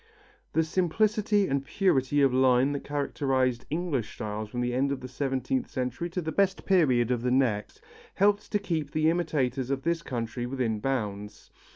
The simplicity and purity of line that characterized English styles from the end of the seventeenth century to the best period of the next, helped to keep the imitators of this country within bounds.